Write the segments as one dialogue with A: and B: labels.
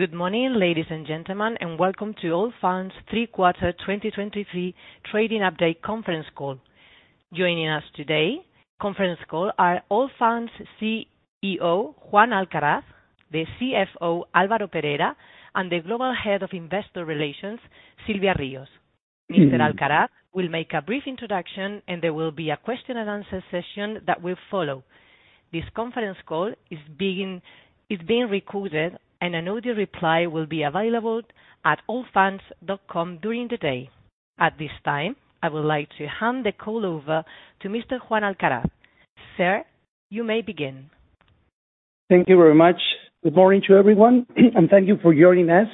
A: Good morning, ladies and gentlemen, and welcome to Allfunds' third quarter 2023 trading update conference call. Joining us today are Allfunds' CEO, Juan Alcaraz, the CFO, Álvaro Perera, and the Global Head of Investor Relations, Silvia Rios. Mr. Alcaraz will make a brief introduction, and there will be a question and answer session that will follow. This conference call is being recorded, and an audio reply will be available at allfunds.com during the day. At this time, I would like to hand the call over to Mr. Juan Alcaraz. Sir, you may begin.
B: Thank you very much. Good morning to everyone, and thank you for joining us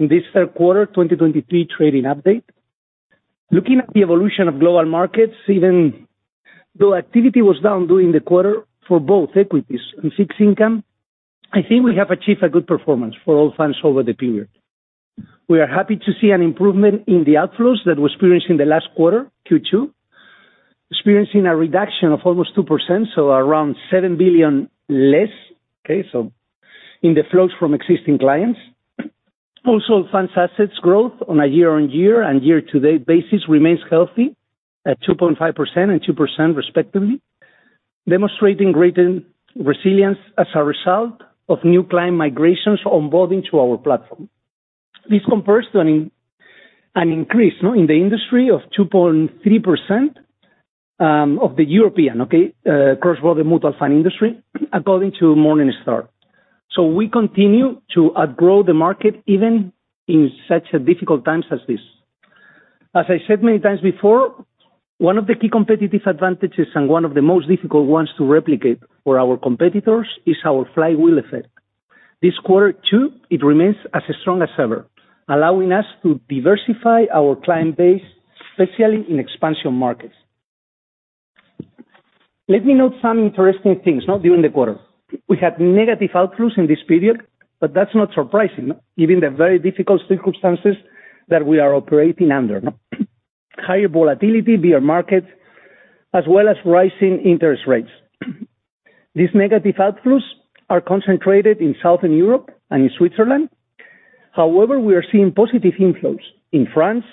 B: in this third quarter 2023 trading update. Looking at the evolution of global markets, even though activity was down during the quarter for both equities and fixed income, I think we have achieved a good performance for Allfunds over the period. We are happy to see an improvement in the outflows that we experienced in the last quarter, Q2, experiencing a reduction of almost 2%, so around 7 billion less, okay, so in the flows from existing clients. Also, Allfunds assets growth on a year-on-year and year-to-date basis remains healthy, at 2.5% and 2% respectively, demonstrating greater resilience as a result of new client migrations onboarding to our platform. This compares to an increase, no, in the industry of 2.3% of the European, okay, across the mutual fund industry, according to Morningstar. We continue to outgrow the market, even in such difficult times as this. As I said many times before, one of the key competitive advantages and one of the most difficult ones to replicate for our competitors is our flywheel effect. This quarter, too, it remains as strong as ever, allowing us to diversify our client base, especially in expansion markets. Let me note some interesting things during the quarter. We had negative outflows in this period, but that's not surprising, given the very difficult circumstances that we are operating under, higher volatility via market, as well as rising interest rates. These negative outflows are concentrated in Southern Europe and in Switzerland. However, we are seeing positive inflows in France,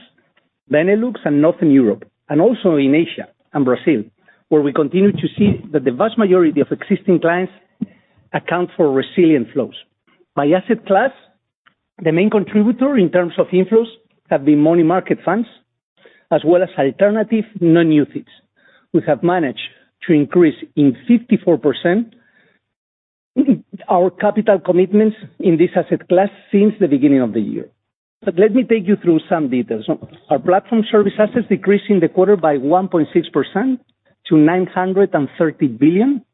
B: Benelux, and Northern Europe, and also in Asia and Brazil, where we continue to see that the vast majority of existing clients account for resilient flows. By asset class, the main contributor in terms of inflows have been money market funds, as well as alternative non-UCITS. We have managed to increase in 54% our capital commitments in this asset class since the beginning of the year. Let me take you through some details. Our platform service assets decreased in the quarter by 1.6% to 930 billion,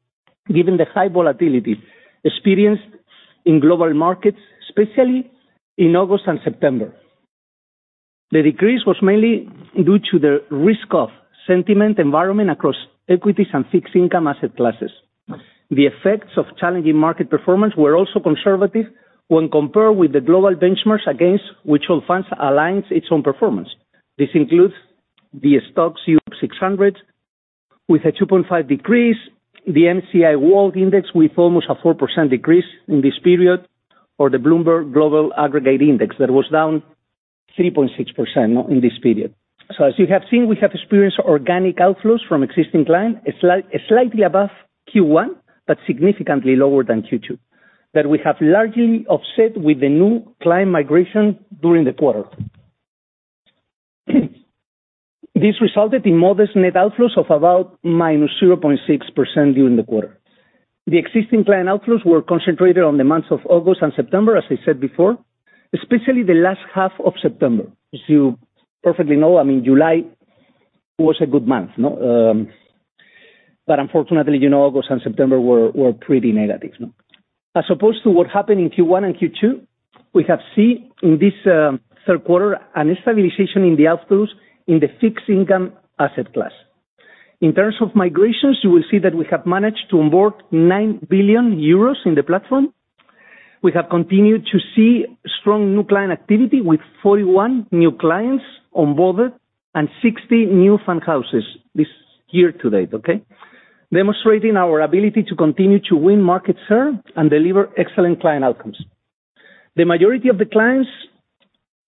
B: given the high volatility experienced in global markets, especially in August and September. The decrease was mainly due to the risk-off sentiment environment across equities and fixed income asset classes. The effects of challenging market performance were also conservative when compared with the global benchmarks against which Allfunds aligns its own performance. This includes the STOXX Europe 600, with a 2.5 decrease, the MSCI World Index, with almost a 4% decrease in this period, or the Bloomberg Global Aggregate Index, that was down 3.6% in this period. As you have seen, we have experienced organic outflows from existing clients, a slight, slightly above Q1, but significantly lower than Q2, that we have largely offset with the new client migration during the quarter. This resulted in modest net outflows of about -0.6% during the quarter. The existing client outflows were concentrated on the months of August and September, as I said before, especially the last half of September. As you perfectly know, I mean, July was a good month, no? Unfortunately, you know, August and September were pretty negative, no? As opposed to what happened in Q1 and Q2, we have seen in this third quarter a stabilization in the outflows in the fixed income asset class. In terms of migrations, you will see that we have managed to onboard 9 billion euros in the platform. We have continued to see strong new client activity, with 41 new clients onboarded and 60 new fund houses this year to date, okay? Demonstrating our ability to continue to win market share and deliver excellent client outcomes. The majority of the clients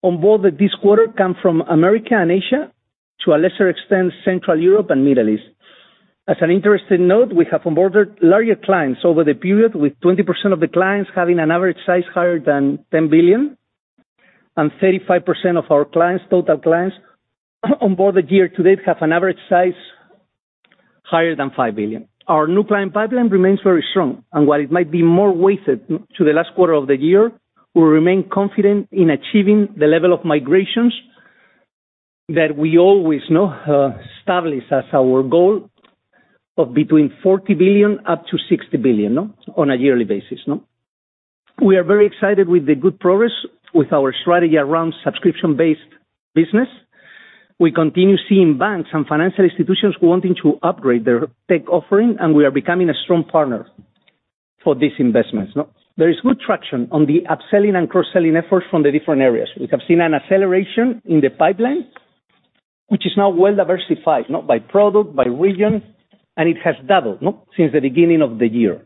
B: onboarded this quarter come from America and Asia, to a lesser extent, Central Europe and Middle East. As an interesting note, we have onboarded larger clients over the period, with 20% of the clients having an average size higher than 10 billion, and 35% of our clients, total clients, onboarded year to date, have an average size higher than 5 billion. Our new client pipeline remains very strong, and while it might be more weighted to the last quarter of the year, we remain confident in achieving the level of migrations that we always know, establish as our goal of between 40 billion up to 60 billion, no, on a yearly basis, no? We are very excited with the good progress with our strategy around subscription-based business. We continue seeing banks and financial institutions wanting to upgrade their tech offering, and we are becoming a strong partner for these investments, no? There is good traction on the upselling and cross-selling efforts from the different areas. We have seen an acceleration in the pipeline which is now well diversified, not by product, by region, and it has doubled, no, since the beginning of the year.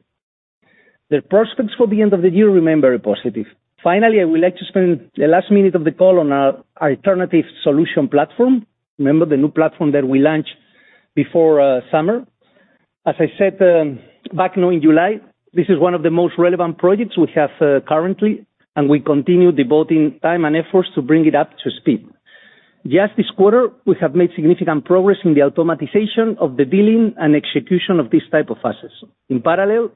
B: The prospects for the end of the year remain very positive. Finally, I would like to spend the last minute of the call on our alternative solution platform. Remember the new platform that we launched before summer? As I said back in July, this is one of the most relevant projects we have currently, and we continue devoting time and efforts to bring it up to speed. Just this quarter, we have made significant progress in the automatization of the billing and execution of this type of assets. In parallel,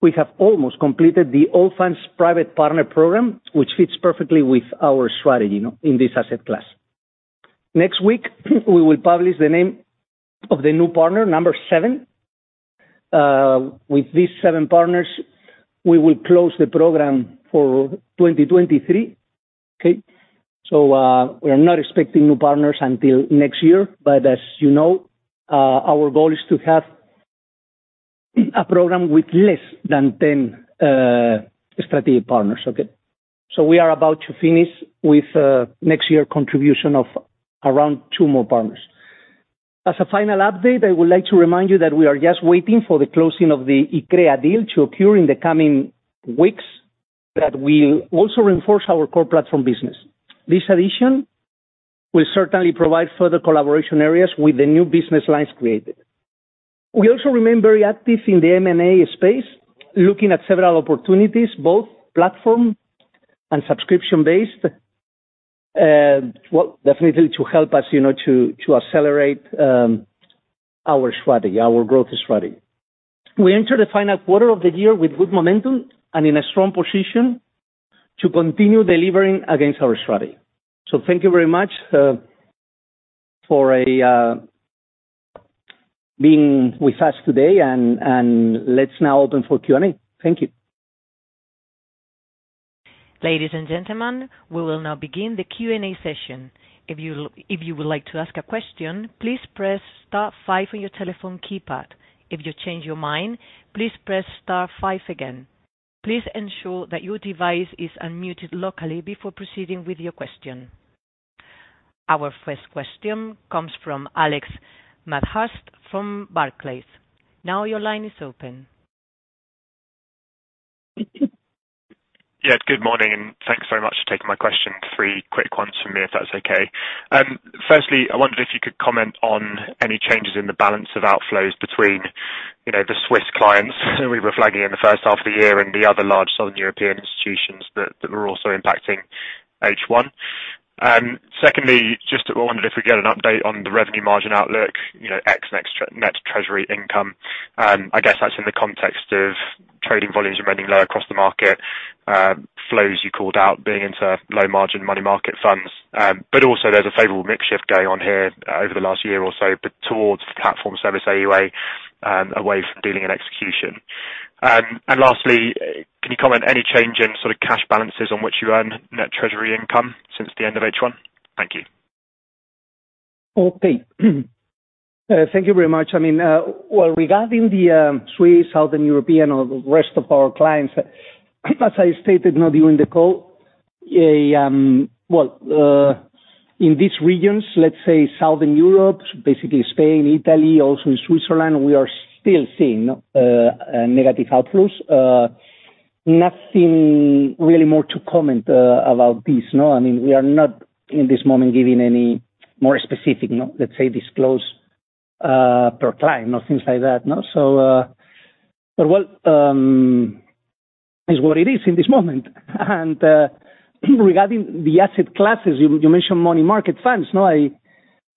B: we have almost completed the Allfunds Private Partners program, which fits perfectly with our strategy, you know, in this asset class. Next week, we will publish the name of the new partner, number seven. With these seven partners, we will close the program for 2023, okay? We are not expecting new partners until next year, but as you know, our goal is to have a program with less than 10 strategic partners, okay? We are about to finish with next year contribution of around two more partners. As a final update, I would like to remind you that we are just waiting for the closing of the Iccrea deal to occur in the coming weeks, that will also reinforce our core platform business. This addition will certainly provide further collaboration areas with the new business lines created. We also remain very active in the M&A space, looking at several opportunities, both platform and subscription-based, well, definitely to help us, you know, to accelerate our strategy, our growth strategy. We enter the final quarter of the year with good momentum and in a strong position to continue delivering against our strategy. Thank you very much for being with us today, and let's now open for Q&A. Thank you.
A: Ladies and gentlemen, we will now begin the Q&A session. If you would like to ask a question, please press star five on your telephone keypad. If you change your mind, please press star five again. Please ensure that your device is unmuted locally before proceeding with your question. Our first question comes from Alex Medhurst from Barclays. Now your line is open.
C: Yeah, good morning, and thanks very much for taking my question. Three quick ones from me, if that's okay. Firstly, I wondered if you could comment on any changes in the balance of outflows between, you know, the Swiss clients we were flagging in the first half of the year and the other large Southern European institutions that were also impacting H1. Secondly, just wondered if we get an update on the revenue margin outlook, you know, ex-Net, Net Treasury Income. I guess that's in the context of trading volumes running low across the market, flows you called out being into low-margin money market funds. Also, there's a favorable mix shift going on here over the last year or so towards the platform service AUA, away from dealing and execution. Lastly, can you comment any change in sort of cash balances on which you earn Net Treasury Income since the end of H1? Thank you.
B: Okay. Thank you very much. I mean, well, regarding the Swiss, Southern European, or the rest of our clients, as I stated now during the call, well, in these regions, let's say Southern Europe, basically Spain, Italy, also in Switzerland, we are still seeing negative outflows. Nothing really more to comment about this. No, I mean, we are not in this moment giving any more specific, no, let's say, disclose per client or things like that, no. What is what it is in this moment. Regarding the asset classes, you mentioned money market funds. No, I,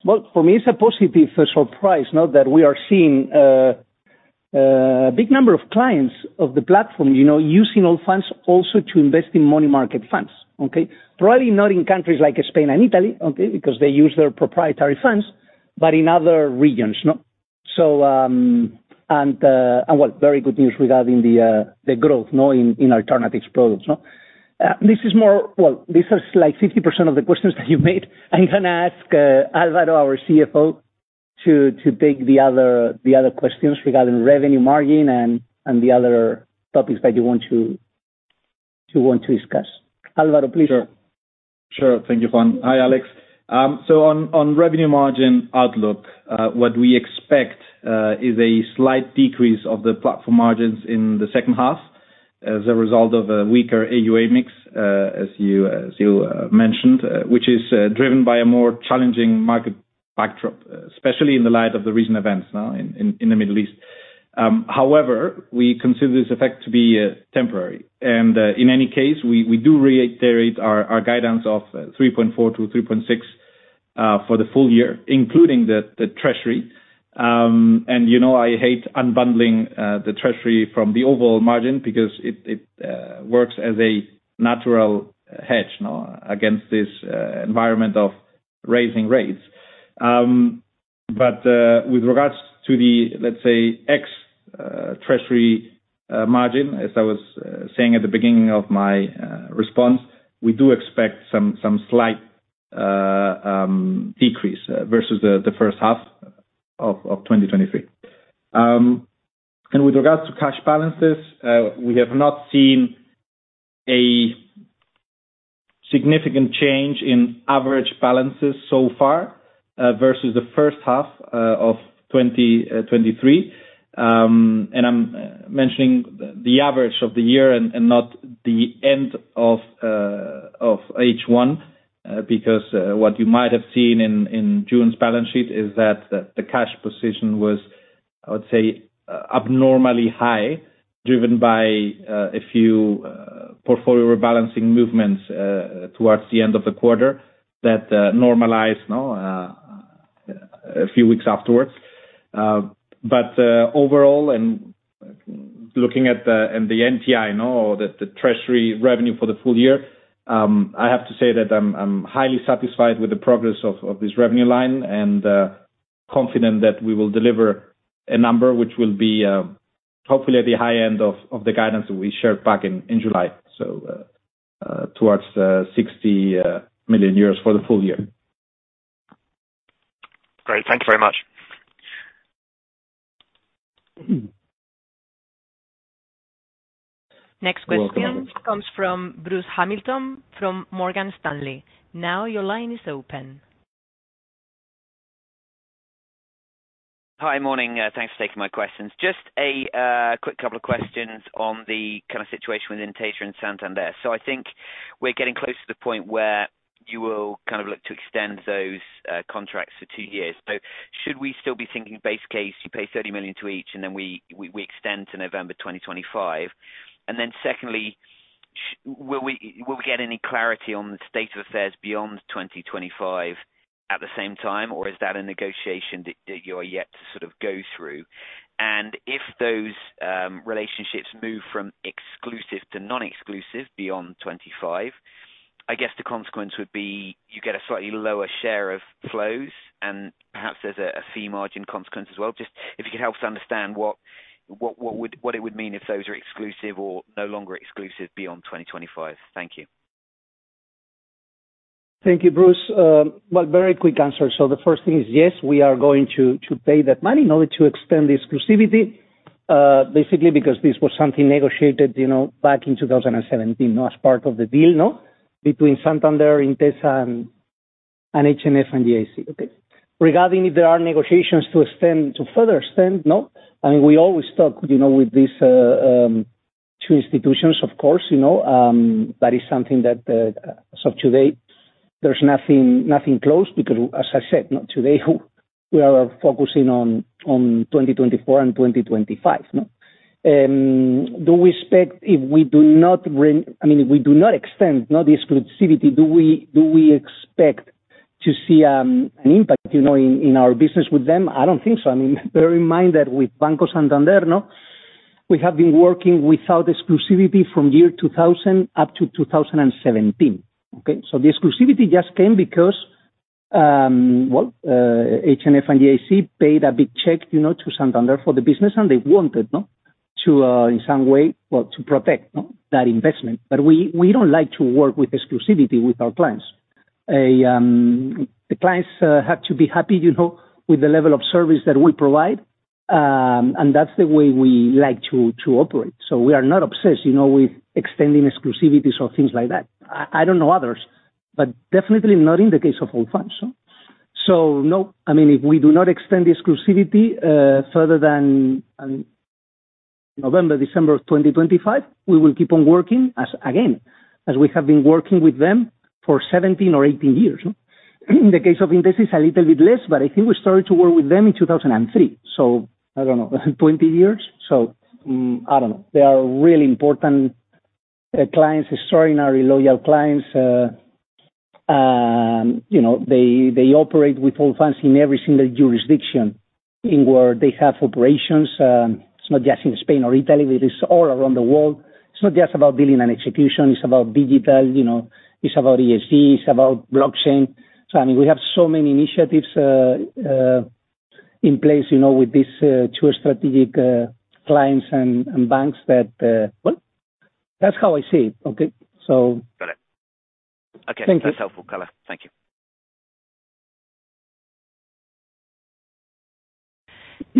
B: well, for me, it's a positive surprise, no, that we are seeing a big number of clients of the platform, you know, using Allfunds also to invest in money market funds, okay? Probably not in countries like Spain and Italy, okay, because they use their proprietary funds, but in other regions, no. Well, very good news regarding the growth, no, in alternatives products, no. Well, this is like 50% of the questions that you made. I'm gonna ask Álvaro, our CFO, to take the other questions regarding revenue margin and the other topics that you want to discuss. Álvaro, please.
D: Sure. Sure. Thank you, Juan. Hi, Alex. On revenue margin outlook, what we expect is a slight decrease of the platform margins in the second half as a result of a weaker AUA mix, as you mentioned, which is driven by a more challenging market backdrop, especially in the light of the recent events now in the Middle East. However, we consider this effect to be temporary. In any case, we do reiterate our guidance of 3.4-3.6 for the full year, including the treasury. You know, I hate unbundling the treasury from the overall margin because it works as a natural hedge, no, against this environment of raising rates. With regards to the, let's say, ex-treasury margin, as I was saying at the beginning of my response, we do expect some slight decrease versus the first half of 2023. With regards to cash balances, we have not seen.
B: A significant change in average balances so far versus the first half of 2023. I'm mentioning the average of the year and not the end of H1 because what you might have seen in June's balance sheet is that the cash position was, I would say, abnormally high, driven by a few portfolio rebalancing movements towards the end of the quarter that normalized, no, a few weeks afterwards. Overall, and looking at the NTI, no, the treasury revenue for the full year, I have to say that I'm highly satisfied with the progress of this revenue line and confident that we will deliver a number which will be hopefully at the high end of the guidance that we shared back in July. Towards 60 million euros for the full year.
C: Great. Thank you very much.
A: Next question.
B: Welcome.
A: Comes from Bruce Hamilton from Morgan Stanley. Now your line is open.
E: Hi, morning. Thanks for taking my questions. Just a quick couple of questions on the kind of situation within Intesa and Santander. I think we're getting close to the point where you will kind of look to extend those contracts for two years. Should we still be thinking base case, you pay 30 million to each, and then we extend to November 2025? Secondly, will we get any clarity on the state of affairs beyond 2025 at the same time, or is that a negotiation that you're yet to sort of go through? If those relationships move from exclusive to non-exclusive beyond 2025, I guess the consequence would be you get a slightly lower share of flows, and perhaps there's a fee margin consequence as well. Just if you could help us understand what it would mean if those are exclusive or no longer exclusive beyond 2025. Thank you.
B: Thank you, Bruce. Well, very quick answer. The first thing is, yes, we are going to pay that money in order to extend the exclusivity, basically because this was something negotiated, you know, back in 2017, as part of the deal, no, between Santander, Intesa, and H&F and GIC, okay? Regarding if there are negotiations to extend, to further extend, no, I mean, we always talk, you know, with these two institutions, of course, you know, that is something that, as of today, there's nothing close, because as I said, not today, we are focusing on 2024 and 2025, no. I mean, if we do not extend, not exclusivity, do we expect to see an impact, you know, in our business with them? I don't think so. I mean, bear in mind that with Banco Santander, no, we have been working without exclusivity from year 2000 up to 2017, okay? The exclusivity just came because, well, HNF and GIC paid a big check, you know, to Santander for the business, and they wanted, no, to in some way, well, to protect, no, that investment. We don't like to work with exclusivity with our clients. The clients have to be happy, you know, with the level of service that we provide, and that's the way we like to operate. We are not obsessed, you know, with extending exclusivities or things like that. I don't know others, but definitely not in the case of Allfunds, so. No, I mean, if we do not extend the exclusivity further than November, December of 2025, we will keep on working, as again, as we have been working with them for 17 or 18 years, no? In the case of Intesa, it's a little bit less, but I think we started to work with them in 2003, so I don't know, 20 years. I don't know. They are really important clients, extraordinarily loyal clients, you know, they operate with Allfunds in every single jurisdiction in where they have operations. It's not just in Spain or Italy, it is all around the world. It's not just about billing and execution. It's about digital, you know, it's about ESG, it's about blockchain. I mean, we have so many initiatives in place, you know, with these two strategic clients and banks that, well, that's how I see it, okay?
E: Got it.
B: Thank you.
E: Okay, that's helpful color. Thank you.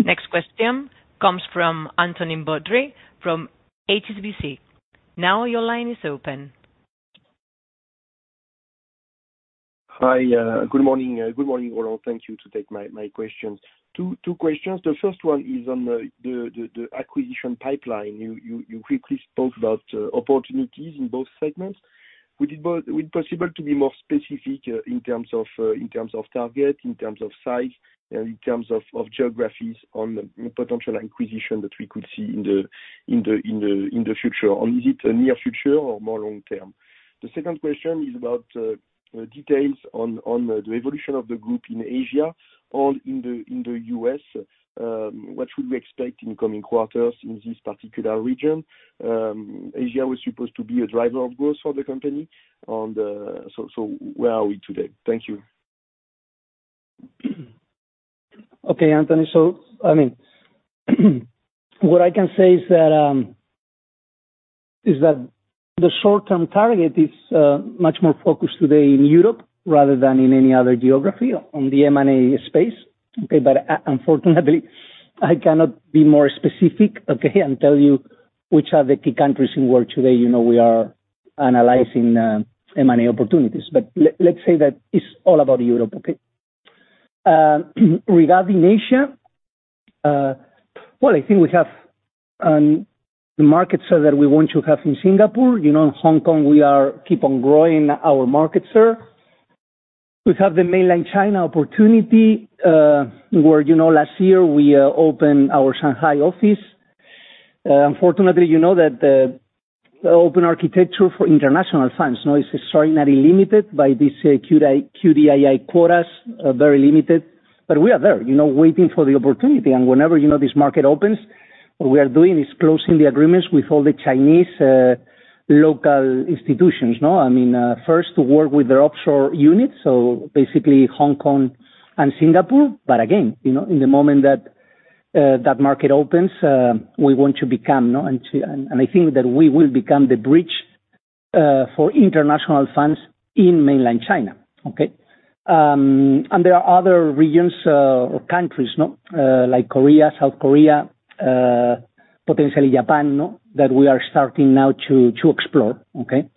A: Next question comes from Anthony Brodaty from HSBC. Now your line is open.
F: Hi, good morning. Good morning, all. Thank you to take my questions. Two questions. The first one is on the acquisition pipeline. You quickly spoke about opportunities in both segments. Would it possible to be more specific in terms of target, in terms of size, in terms of geographies on the potential acquisition that we could see in the future? Or is it a near future or more long term? The second question is about details on the evolution of the group in Asia or in the U.S. What should we expect in coming quarters in this particular region? Asia was supposed to be a driver of growth for the company on the... Where are we today? Thank you.
B: Okay, Anthony. I mean, what I can say is that the short-term target is much more focused today in Europe rather than in any other geography on the M&A space. Okay, unfortunately, I cannot be more specific, okay, and tell you which are the key countries in world today, you know, we are analyzing M&A opportunities. Let's say that it's all about Europe, okay? Regarding Asia, well, I think we have the market so that we want to have in Singapore, you know, in Hong Kong, we are keep on growing our market share. We have the Mainland China opportunity where, you know, last year we opened our Shanghai office. Unfortunately, you know, that the open architecture for international funds, you know, is extraordinarily limited by this QDII quotas, very limited. We are there, you know, waiting for the opportunity. Whenever, you know, this market opens, what we are doing is closing the agreements with all the Chinese local institutions, no? I mean, first to work with their offshore units, so basically Hong Kong and Singapore. Again, you know, in the moment that that market opens, we want to become, you know, and I think that we will become the bridge for international funds in Mainland China, okay? There are other regions or countries, no, like Korea, South Korea, potentially Japan, no, that we are starting now to explore, okay?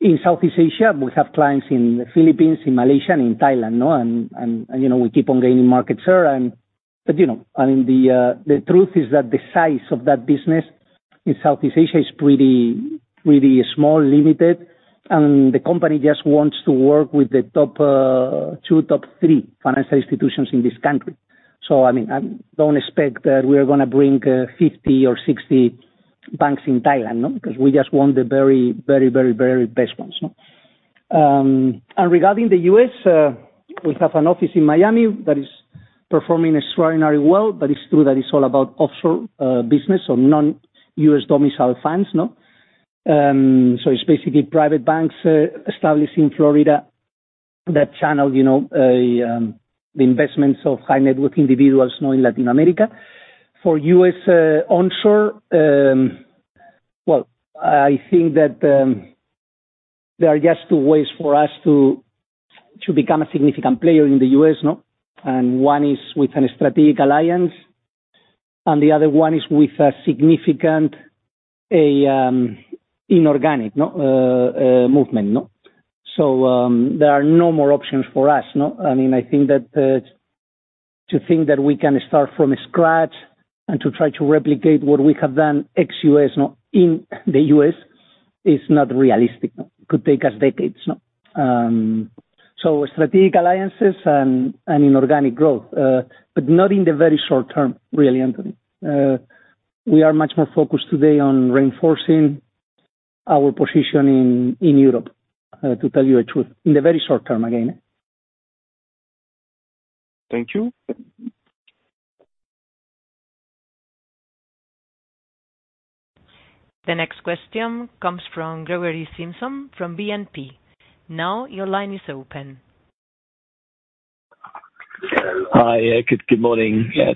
B: In Southeast Asia, we have clients in the Philippines, in Malaysia, and in Thailand, no, and you know, we keep on gaining market share. But you know, I mean, the truth is that the size of that business in Southeast Asia is pretty, pretty small, limited, and the company just wants to work with the top two, top three financial institutions in this country. I mean, I don't expect that we are gonna bring 50 or 60 banks in Thailand, no, because we just want the very, very, very, very best ones, no. Regarding the U.S., we have an office in Miami that is performing extraordinarily well, but it's true that it's all about offshore business, so non-U.S. domicile funds, no. It's basically private banks established in Florida that channel, you know, the investments of high net worth individuals, no, in Latin America. For U.S. onshore, well, I think that there are just two ways for us to become a significant player in the U.S., no, and one is with a strategic alliance, and the other one is with a significant inorganic, no, movement, no. There are no more options for us, no. I mean, I think that to think that we can start from scratch and to try to replicate what we have done ex-U.S., no, in the U.S., is not realistic, no. It could take us decades, no. Strategic alliances and inorganic growth, but not in the very short term, really, Anthony. We are much more focused today on reinforcing our position in Europe, to tell you the truth, in the very short term, again.
F: Thank you.
A: The next question comes from Gregory Simpson from BNP. Now, your line is open.
G: Hi, good morning. Yeah,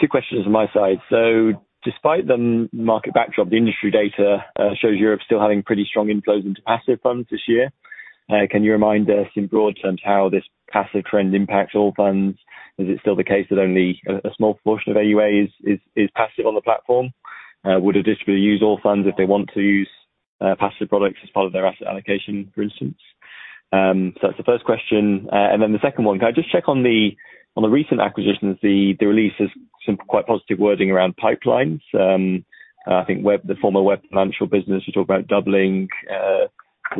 G: two questions on my side. Despite the market backdrop, the industry data shows Europe still having pretty strong inflows into passive funds this year. Can you remind us, in broad terms, how this passive trend impacts Allfunds? Is it still the case that only a small portion of AUAs is passive on the platform? Would additionally use Allfunds if they want to use passive products as part of their asset allocation, for instance? That's the first question. The second one, can I just check on the recent acquisitions? The release is some quite positive wording around pipelines. I think Web, the former Web financial business, you talk about doubling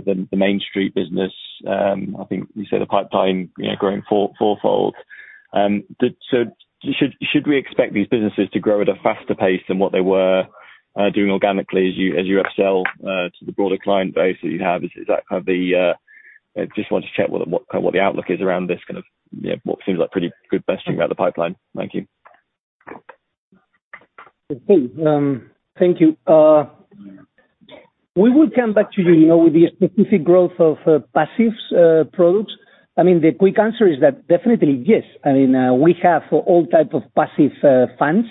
G: the MainStreet business. I think you said the pipeline, you know, growing four-fold. Should we expect these businesses to grow at a faster pace than what they were doing organically as you upsell to the broader client base that you have? I just want to check what the outlook is around this kind of, you know, what seems like pretty good questioning about the pipeline. Thank you.
B: Okay, thank you. We will come back to you, you know, with the specific growth of passives products. I mean, the quick answer is that definitely, yes. I mean, we have all types of passive funds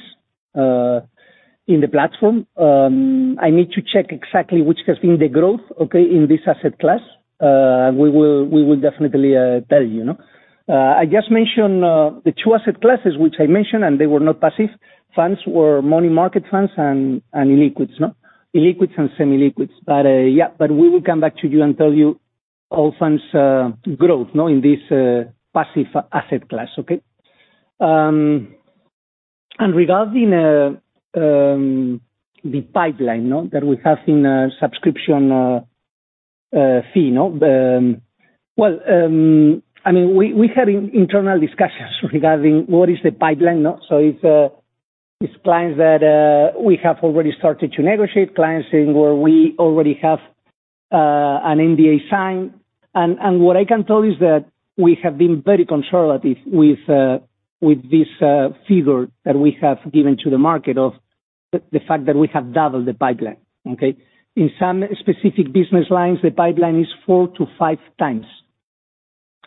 B: in the platform. I need to check exactly which has been the growth, okay, in this asset class. We will definitely tell you, you know. I just mentioned the two asset classes, which I mentioned, and they were not passive funds, were money market funds and illiquids, no? Illiquids and semi-illiquids. Yeah, but we will come back to you and tell you Allfunds growth, no, in this passive asset class, okay? Regarding the pipeline, no, that we have in a subscription fee, no, well, I mean, we had internal discussions regarding what is the pipeline, no? It's clients that we have already started to negotiate, clients in where we already have an NDA signed. What I can tell you is that we have been very conservative with this figure that we have given to the market of the fact that we have doubled the pipeline, okay? In some specific business lines, the pipeline is four to five times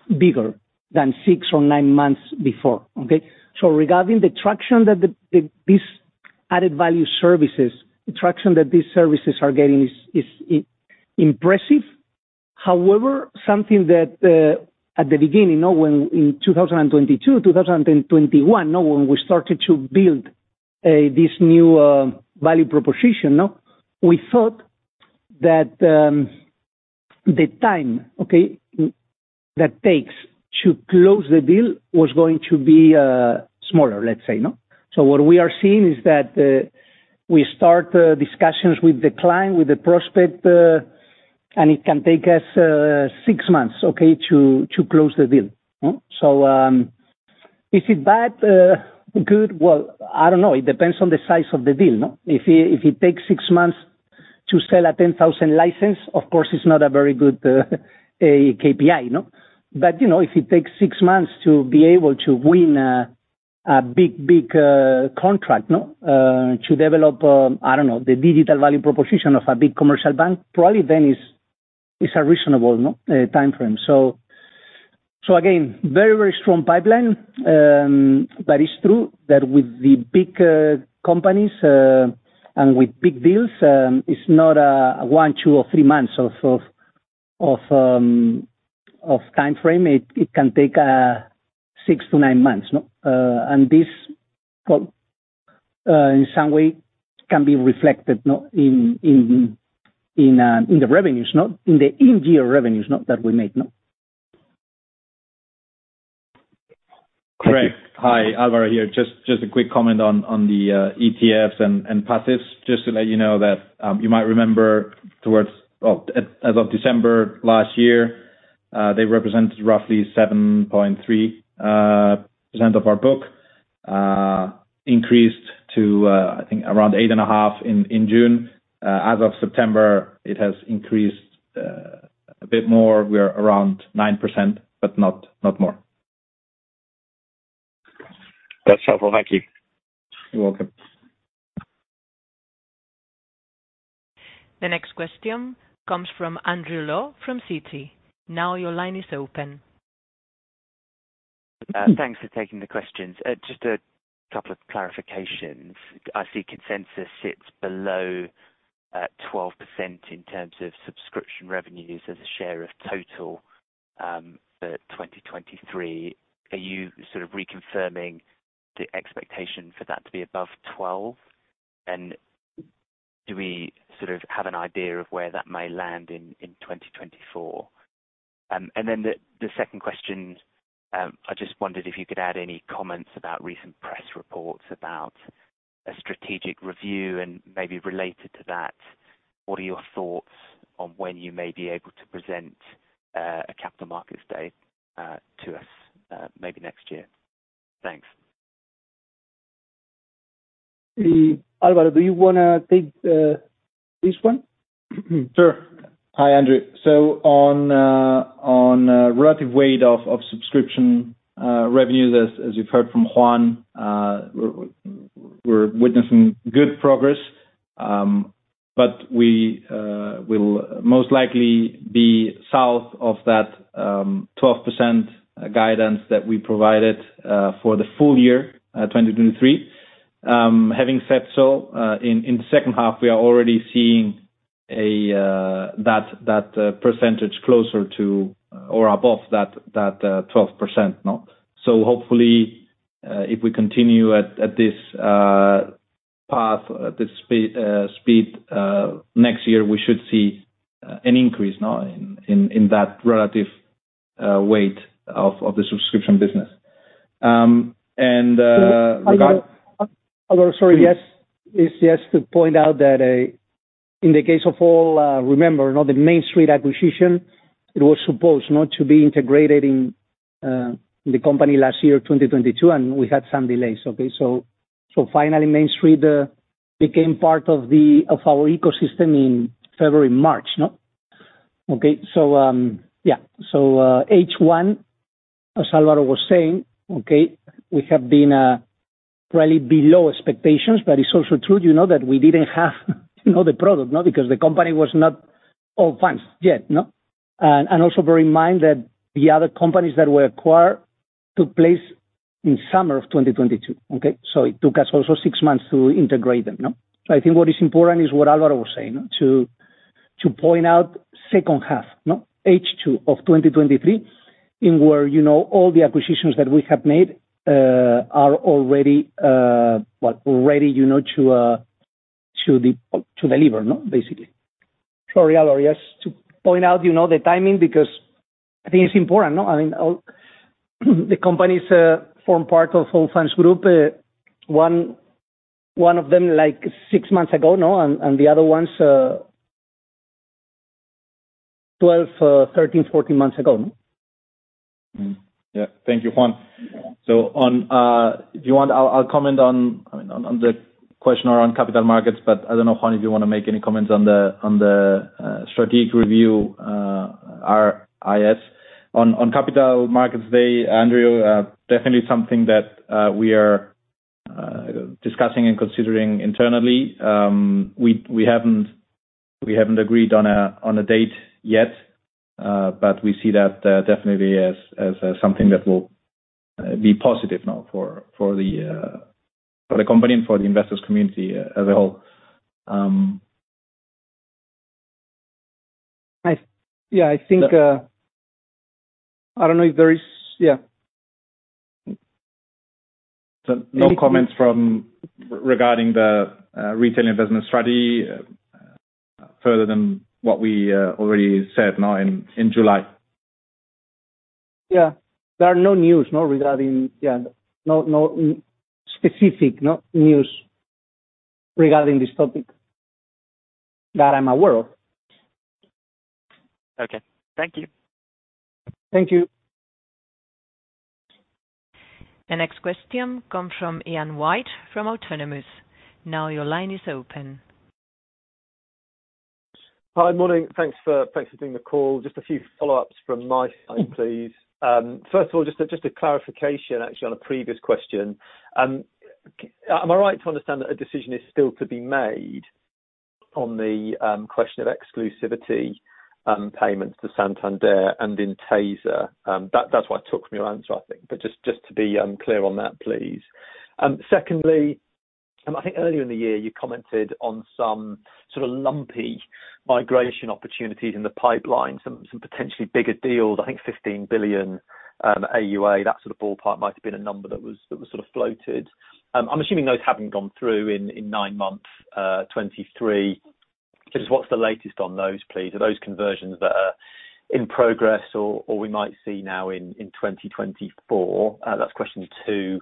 B: bigger than six or nine months before, okay? Regarding the traction that this added value services, the traction that these services are getting is impressive. However, something that, at the beginning, you know, when in 2022, 2021, you know, when we started to build this new value proposition, no, we thought that the time, okay, that takes to close the deal was going to be smaller, let's say, no? What we are seeing is that we start discussions with the client, with the prospect, and it can take us six months, okay, to close the deal. Is it bad, good? Well, I don't know. It depends on the size of the deal, no. If it takes six months to sell a 10,000 license, of course, it's not a very good KPI, you know? You know, if it takes six months to be able to win a big, big contract, no, to develop, I don't know, the digital value proposition of a big commercial bank, probably then is, it's a reasonable, no, time frame. Again, very, very strong pipeline. It's true that with the big companies and with big deals, it's not a one, two, or three months of time frame. It can take six-nine months, no. This, well, in some way can be reflected, no, in the revenues, no, in the annual revenues, no, that we make, no.
D: Greg, hi, Álvaro here. Just, just a quick comment on the ETFs and passives. Just to let you know that you might remember towards, oh, as of December last year, they represented roughly 7.3% of our book, increased to, I think around 8.5% in June. As of September, it has increased a bit more. We are around 9%, but not, not more.
G: That's helpful. Thank you.
D: You're welcome.
A: The next question comes from Andrew Lowe, from Citi. Now your line is open.
H: Thanks for taking the questions. Just a couple of clarifications. I see consensus sits below 12% in terms of subscription revenues as a share of total for 2023. Are you sort of reconfirming the expectation for that to be above 12? Do we sort of have an idea of where that may land in 2024? Then the second question, I just wondered if you could add any comments about recent press reports about a strategic review, and maybe related to that, what are your thoughts on when you may be able to present a Capital Markets Day to us, maybe next year? Thanks.
B: Álvaro, do you wanna take this one?
D: Sure. Hi, Andrew. On relative weight of subscription revenues, as you've heard from Juan, we're witnessing good progress. But we will most likely be south of that 12% guidance that we provided for the full year 2023. Having said so, in the second half, we are already seeing that percentage closer to or above that 12%, no. Hopefully, if we continue at this path, at this speed, next year, we should see an increase now in that relative weight of the subscription business.
B: Álvaro, sorry, yes. It's just to point out that in the case of all, remember, now the MainStreet acquisition, it was supposed not to be integrated in the company last year, 2022, and we had some delays, okay? Finally, MainStreet became part of our ecosystem in February, March, no? Okay, so, yeah. H1, as Álvaro was saying, okay, we have been probably below expectations, but it's also true, you know, that we didn't have, you know, the product, no, because the company was not Allfunds yet, no? Also bear in mind that the other companies that were acquired took place in summer of 2022, okay? It took us also six months to integrate them, no. I think what is important is what Álvaro was saying, to point out second half, no, H2 of 2023, in where, you know, all the acquisitions that we have made are already, well, ready, you know, to deliver, no, basically. Sorry, Álvaro, yes, to point out, you know, the timing, because I think it's important, no. I mean, all the companies form part of Allfunds Group. One of them, like, six months ago, no, and the other ones, 12, 13, 14 months ago, no.
D: Yeah. Thank you, Juan. So, on, if you want, I'll comment on, I mean, on the question around capital markets, but I don't know, Juan, if you wanna make any comments on the strategic review, our IR. On Capital Markets Day, Andrew, definitely something that we are discussing and considering internally. We haven't agreed on a date yet, but we see that definitely as something that will be positive now for the company and for the investors community as a whole.
B: I think I don't know if there is, yeah.
D: No comments regarding the retailing business strategy further than what we already said now in July.
B: Yeah. There are no news, no, regarding, yeah, no, no specific, no, news regarding this topic that I'm aware of.
H: Okay. Thank you.
B: Thank you.
A: The next question come from Ian White, from Autonomous. Now your line is open.
I: Hi, morning. Thanks for doing the call. Just a few follow-ups from my side, please. First of all, just a clarification, actually, on a previous question. Am I right to understand that a decision is still to be made on the question of exclusivity payments to Santander and Intesa? That's what I took from your answer, I think. Just to be clear on that, please. Secondly, I think earlier in the year, you commented on some sort of lumpy migration opportunities in the pipeline, some potentially bigger deals, I think 15 billion AUA, that sort of ballpark might have been a number that was sort of floated. I'm assuming those haven't gone through in nine months 2023. Just what's the latest on those, please? Are those conversions that are in progress or we might see now in 2024? That's question two.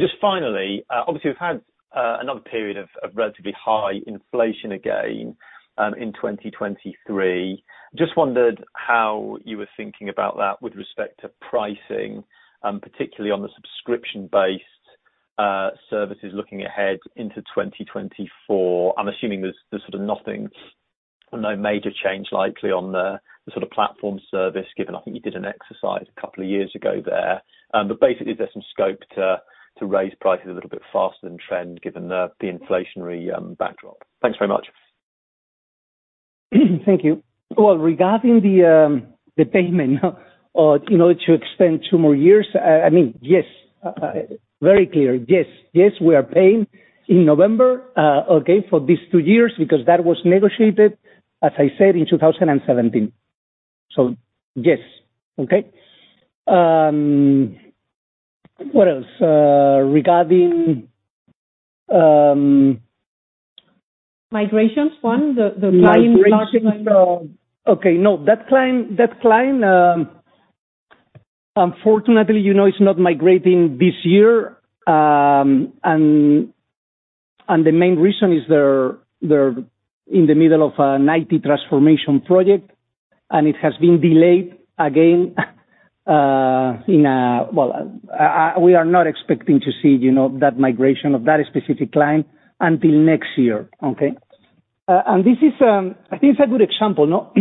I: Just finally, obviously, we've had another period of relatively high inflation again in 2023. Just wondered how you were thinking about that with respect to pricing, particularly on the subscription-based services looking ahead into 2024. I'm assuming there's sort of nothing, no major change likely on the sort of platform service, given I think you did an exercise a couple of years ago there. Basically, there's some scope to raise prices a little bit faster than trend, given the inflationary backdrop. Thanks very much.
B: Thank you. Well, regarding the payment, you know, to extend two more years, I mean, yes, very clear. Yes, yes, we are paying in November, okay, for these two years, because that was negotiated, as I said, in 2017. Yes, okay? What else regarding?
A: Migrations, Juan, the client.
B: Migrations. Okay, no, that client unfortunately, you know, is not migrating this year. The main reason is they're in the middle of an IT transformation project, and it has been delayed again. Well, we are not expecting to see, you know, that migration of that specific client until next year, okay? This is, I think it's a good example, no,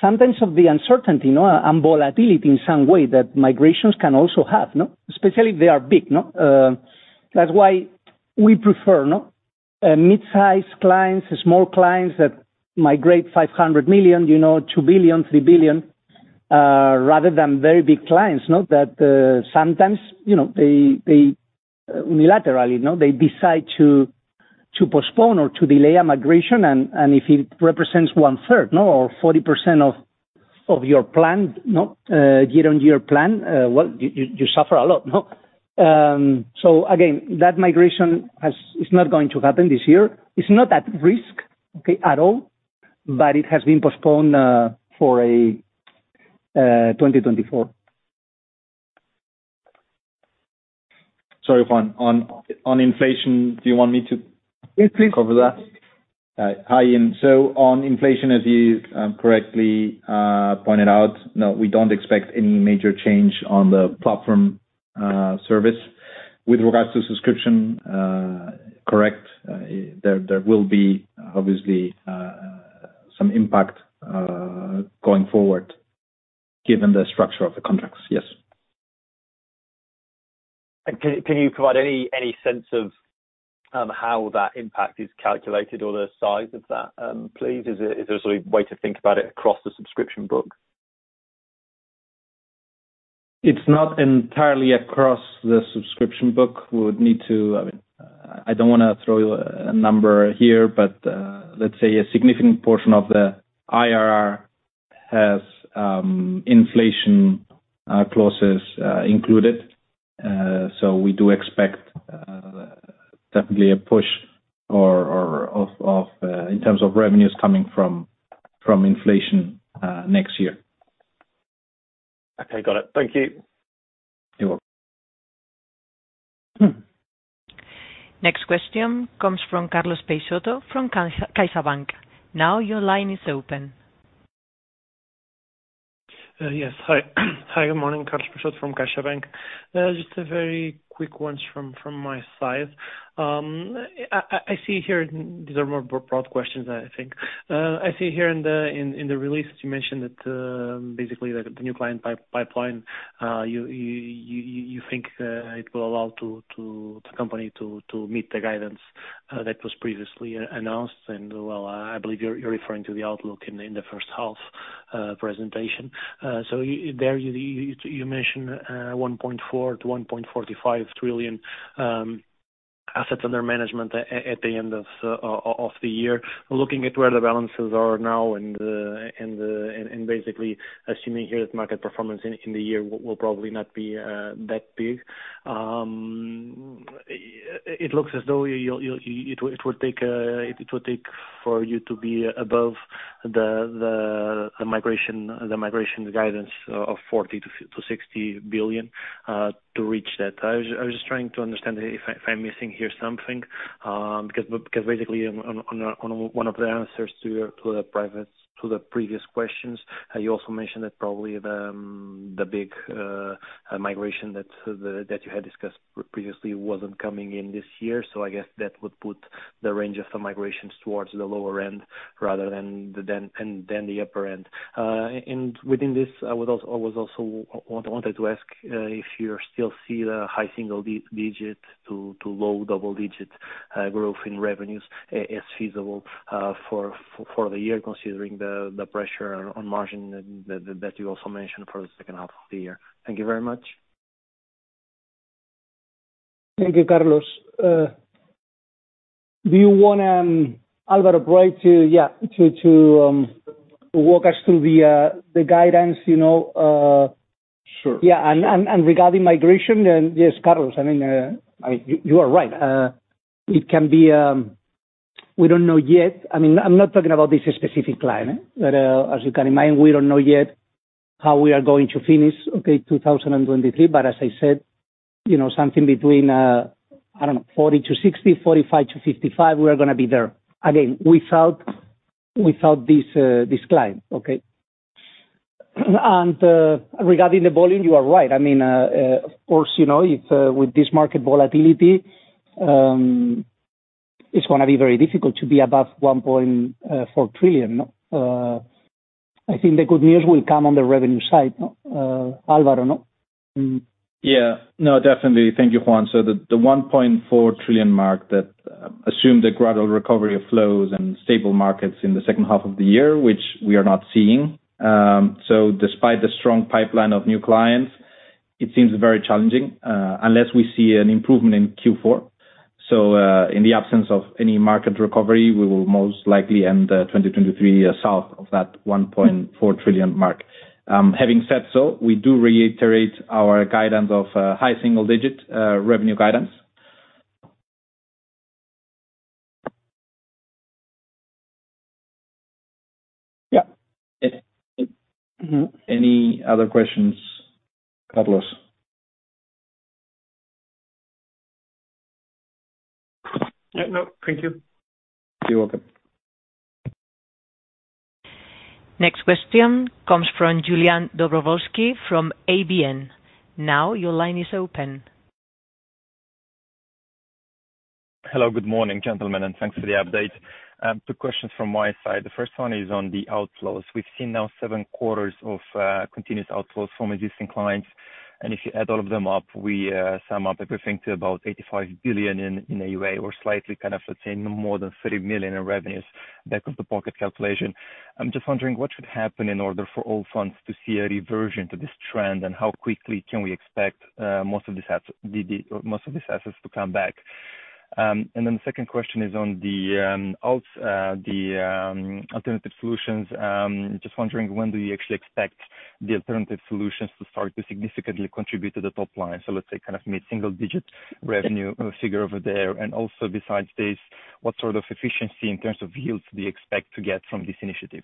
B: sometimes of the uncertainty, you know, and volatility in some way that migrations can also have, no? Especially if they are big, no. That's why we prefer, no, mid-sized clients, small clients that migrate 500 million, you know, 2 billion, 3 billion, rather than very big clients, no, that sometimes, you know, they unilaterally, no, they decide to postpone or to delay a migration, and if it represents one-third, no, or 40% of your plan, no, year-on-year plan, well, you suffer a lot, no? So again, that migration is not going to happen this year. It's not at risk, okay, at all, but it has been postponed for 2024.
D: Sorry, Juan, on inflation, do you want me to?
B: Yes, please
D: Cover that? Hi, Ian. On inflation, as you correctly pointed out, no, we don't expect any major change on the platform service. With regards to subscription, correct, there will be obviously some impact going forward, given the structure of the contracts. Yes.
I: Can you provide any sense of how that impact is calculated or the size of that, please? Is there a way to think about it across the subscription book?
D: It's not entirely across the subscription book. I mean, I don't want to throw you a number here, but let's say a significant portion of the ARR has inflation clauses included. We do expect definitely a push in terms of revenues coming from inflation next year.
I: Okay, got it. Thank you.
D: You're welcome.
A: Next question comes from Carlos Peixoto from Caixa, CaixaBank. Now your line is open.
J: Yes. Hi. Hi, good morning, Carlos Peixoto from CaixaBank. Just a very quick ones from my side. I see here, these are more broad questions, I think. I see here in the release, you mentioned that basically, like, the new client pipeline, you think it will allow the company to meet the guidance that was previously announced, and well, I believe you're referring to the outlook in the first half presentation. There, you mention 1.4 trillion-1.45 trillion assets under management at the end of the year. Looking at where the balances are now and basically assuming market performance in the end of the year will probably not be that big. That it looks as though it would take for you to be above the migration guidance of $40 to 60 billion to reach that. I was trying to understand if I'm missing here something that was specifically one of the answers to the previous questions. And you also mentioned probably the big migration that had discussed previously wasn't coming in this year. I guess that would put the range of the migrations towards the lower end rather than the upper end. Within this, I also wanted to ask if you still see the high single-digit to low double-digit growth in revenues as feasible for the year, considering the pressure on margin that you also mentioned for the second half of the year. Thank you very much.
B: Thank you, Carlos. Do you want Álvaro, right, to, yeah, to walk us through the guidance, you know?
D: Sure.
B: Yeah, regarding migration, and yes, Carlos, I mean, I mean, you are right. It can be... We don't know yet. I mean, I'm not talking about this specific client, but, as you can imagine, we don't know yet how we are going to finish, okay, 2023. But as I said, you know, something between, I don't know, 40-60, 45-55, we are gonna be there. Again, without this client, okay? Regarding the volume, you are right. I mean, of course, you know, if with this market volatility, it's gonna be very difficult to be above 1.4 trillion. I think the good news will come on the revenue side, Álvaro, no?
D: Yeah. No, definitely. Thank you, Juan. The 1.4 trillion mark that assumed a gradual recovery of flows and stable markets in the second half of the year, which we are not seeing. Despite the strong pipeline of new clients, it seems very challenging unless we see an improvement in Q4. In the absence of any market recovery, we will most likely end 2023 south of that 1.4 trillion mark. Having said so, we do reiterate our guidance of high-single-digit revenue guidance.
B: Yeah.
D: Any other questions, Carlos?
J: Yeah, no, thank you.
D: You're welcome.
A: Next question comes from Iulian Dobrovolschi from ABN. Now your line is open.
K: Hello, good morning, gentlemen, and thanks for the update. Two questions from my side. The first one is on the outflows. We've seen now seven quarters of continuous outflows from existing clients, and if you add all of them up, we sum up everything to about 85 billion in AUA or slightly, kind of, let's say, more than 30 million in revenues, back-of-the-pocket calculation. I'm just wondering what should happen in order for Allfunds to see a reversion to this trend, and how quickly can we expect most of these assets to come back? The second question is on the alts, the alternative solutions. Just wondering, when do you actually expect the alternative solutions to start to significantly contribute to the top line? Let's say, kind of, mid-single-digit revenue figure over there. Also, besides this, what sort of efficiency in terms of yields do you expect to get from this initiative?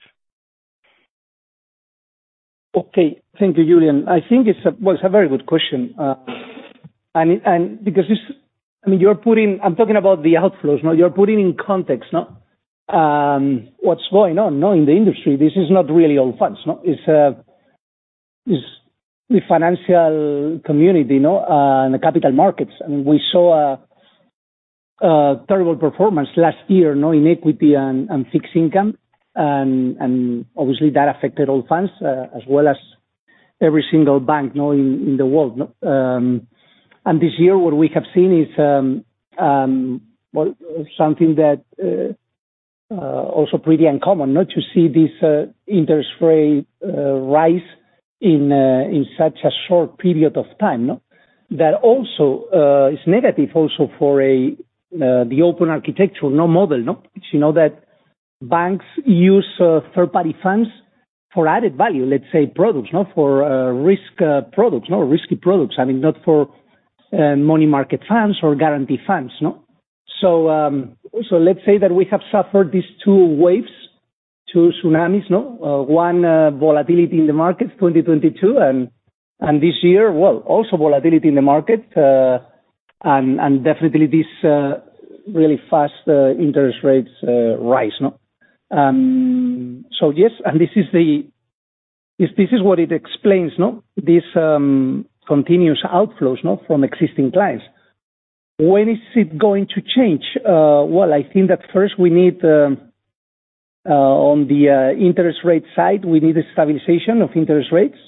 B: Okay. Thank you, Iulian. I think, well, it's a very good question. I mean, I'm talking about the outflows, no, you're putting in context, no, what's going on, no, in the industry. This is not really Allfunds, no? It's the financial community, no, and the capital markets. We saw a terrible performance last year, no, in equity and fixed income. Obviously, that affected Allfunds as well as every single bank, no, in the world, no. This year, what we have seen is, well, something that also pretty uncommon, no, to see this interest rate rise in such a short period of time, no? That also is negative also for the open architectural model, no. You know, that banks use third-party funds for added value, let's say products, no, for risk products, no, risky products, I mean, not for money market funds or guarantee funds, no. Let's say that we have suffered these two waves, two tsunamis, no? One, volatility in the markets, 2022, and this year, well, also volatility in the market, and definitely this really fast interest rates rise, no? Yes, and this is what it explains, no, this continuous outflows, no, from existing clients. When is it going to change? Well, I think that first we need on the interest rate side, we need a stabilization of interest rates,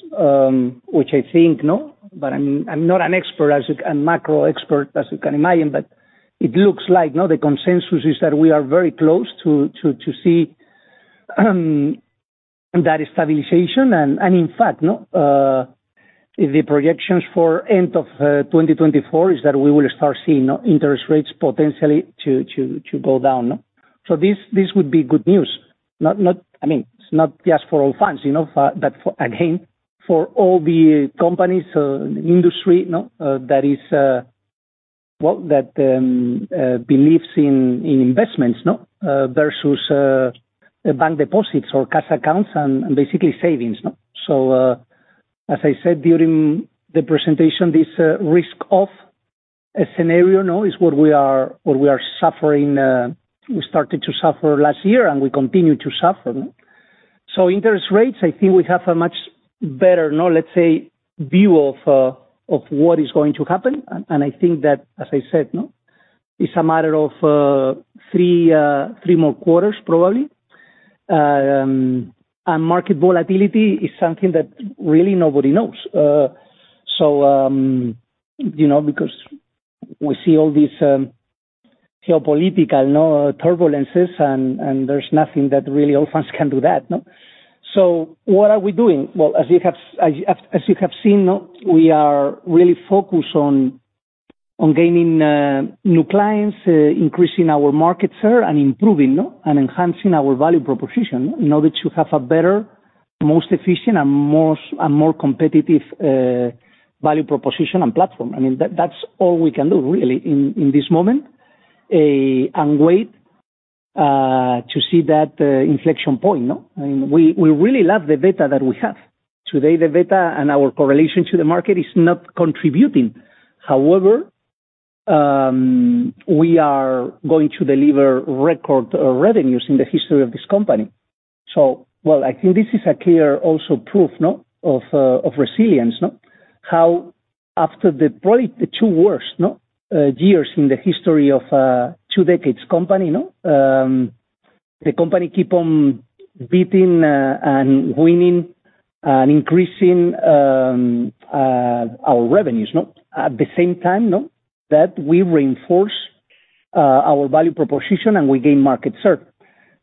B: which I think, no, but I'm not an expert, as a macro expert, as you can imagine, but it looks like, no, the consensus is that we are very close to that is stabilization and in fact, no, the projections for end of 2024 is that we will start seeing interest rates potentially to go down. This would be good news, not, I mean, it's not just for Allfunds, you know, but for again, for all the companies industry, no, that is, well, that believes in investments, no, versus bank deposits or cash accounts and basically savings, no. As I said during the presentation, this risk of a scenario, no, is what we are suffering, we started to suffer last year, and we continue to suffer. Interest rates, I think we have a much better, no, let's say, view of what is going to happen. I think that, as I said, no, it's a matter of three more quarters, probably. Market volatility is something that really nobody knows. You know, because we see all these geopolitical, no, turbulences, and there's nothing that really Allfunds can do that, no. What are we doing? Well, as you have seen, no, we are really focused on gaining new clients, increasing our market share, and improving, no, and enhancing our value proposition in order to have a better, most efficient, and more and more competitive value proposition and platform. I mean, that's all we can do really in this moment and wait to see that inflection point, no? I mean, we really love the data that we have. Today, the data and our correlation to the market is not contributing. However, we are going to deliver record revenues in the history of this company. Well, I think this is a clear also proof, no, of resilience, no? How after the probably the two worst, no, years in the history of two decades company, no, the company keep on beating and winning and increasing our revenues, no. At the same time, no, that we reinforce our value proposition and we gain market share,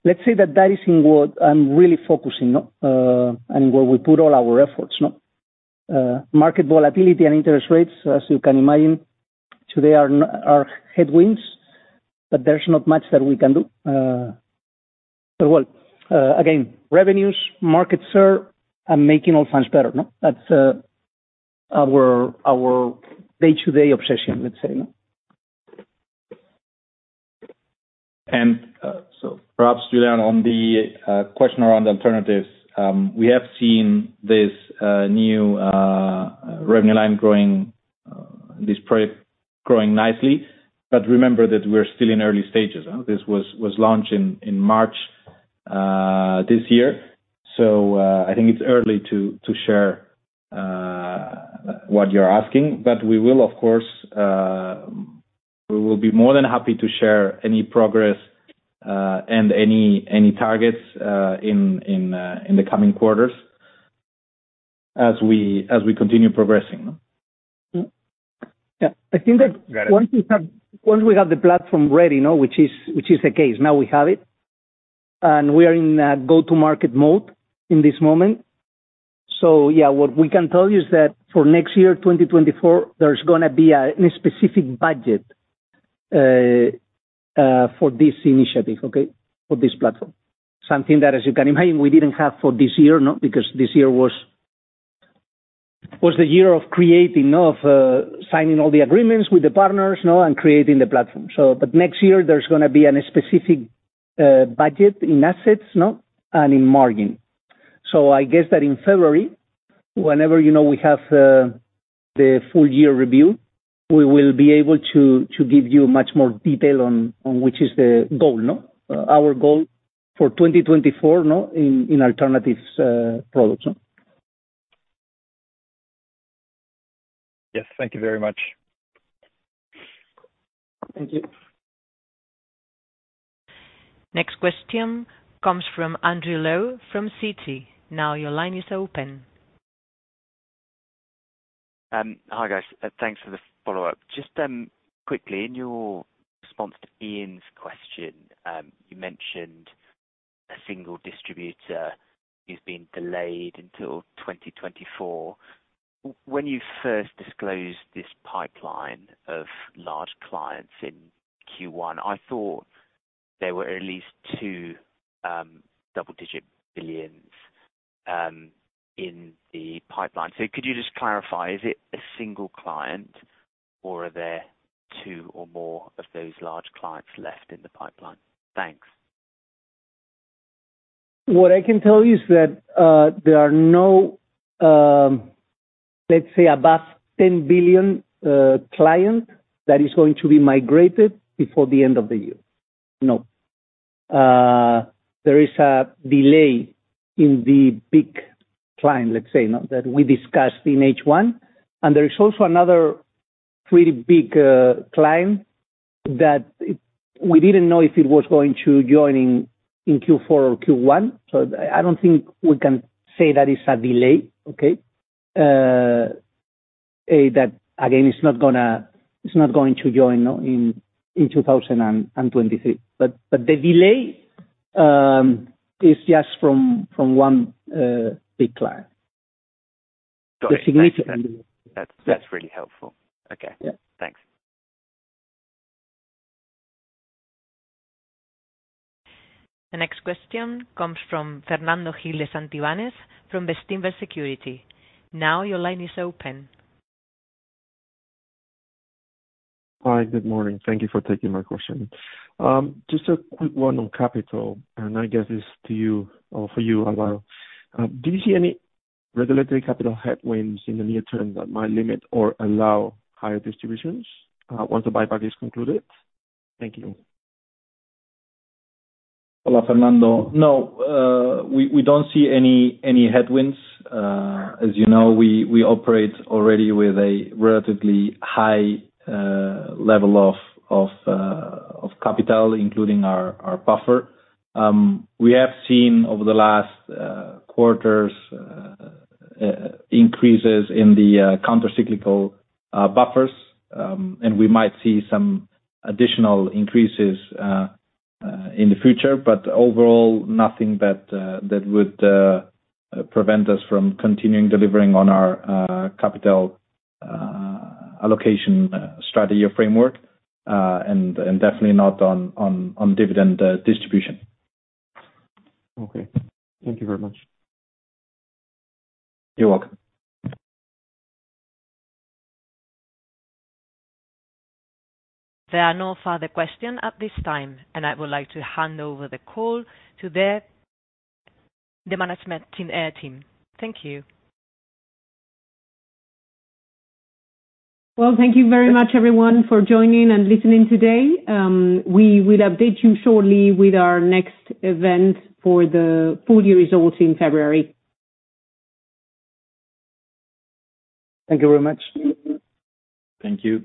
B: let's say that that is in what I'm really focusing, no, and where we put all our efforts, no. Market volatility and interest rates, as you can imagine, today are headwinds, but there's not much that we can do but, well, again, revenues, market share, and making Allfunds better, no. That's our day-to-day obsession, let's say, no.
D: Perhaps, Iulian, on the question around alternatives, we have seen this new revenue line growing, this project growing nicely. Remember that we're still in early stages. This was launched in March this year. I think it's early to share what you're asking, but we will, of course, be more than happy to share any progress and any targets in the coming quarters as we continue progressing, no?
B: Yeah. I think that.
D: Got it.
B: Once we have the platform ready, no, which is the case, now we have it, and we are in a go-to-market mode in this moment. Yeah, what we can tell you is that for next year, 2024, there's gonna be a specific budget for this initiative, okay, for this platform. Something that, as you can imagine, we didn't have for this year, no, because this year was the year of creating, no, of signing all the agreements with the partners, no, and creating the platform. But next year there's gonna be a specific budget in assets, no, and in margin. I guess that in February, whenever, you know, we have the full year review, we will be able to give you much more detail on which is the goal, no? Our goal for 2024, no, in alternatives products, no.
K: Yes. Thank you very much.
B: Thank you.
A: Next question comes from Andrew Lowe, from Citi. Now your line is open.
H: Hi, guys, thanks for the follow-up. Just quickly, in your response to Ian's question, you mentioned a single distributor who's been delayed until 2024. When you first disclosed this pipeline of large clients in Q1, I thought there were at least two, EUR double-digit billions, in the pipeline. Could you just clarify, is it a single client or are there two or more of those large clients left in the pipeline? Thanks.
B: What I can tell you is that there are no, let's say, above 10 billion client that is going to be migrated before the end of the year. No. There is a delay in the big client, let's say, that we discussed in H1, and there is also another pretty big client that we didn't know if it was going to joining in Q4 or Q1, so I don't think we can say that it's a delay, okay? That again is not going to join in 2023. The delay is just from one big client.
H: Got it.
B: The significant.
H: That's really helpful. Okay.
B: Yeah.
H: Thanks.
A: The next question comes from Fernando Gil de Santivañes from Bestinver Securities. Now your line is open.
L: Hi, good morning. Thank you for taking my question. Just a quick one on capital, and I guess it's to you or for you, Álvaro. Do you see any regulatory capital headwinds in the near term that might limit or allow higher distributions once the buyback is concluded? Thank you.
D: Hello, Fernando. No, we don't see any headwinds. As you know, we operate already with a relatively high level of capital, including our buffer. We have seen over the last quarters increases in the countercyclical buffers, and we might see some additional increases in the future, but overall, nothing that would prevent us from continuing to deliver on our capital allocation strategy framework, and definitely not on different distribution.
L: Okay. Thank you very much.
D: You're welcome.
A: There are no further question at this time, and I would like to hand over the call to the management team. Thank you.
B: Well, thank you very much, everyone, for joining and listening today. We will update you shortly with our next event for the full year results in February. Thank you very much.
D: Thank you.